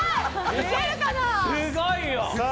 すごいよ！